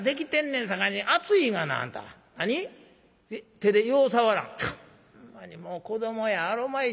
『手でよう触らん』ほんまにもう子どもやあるまいし。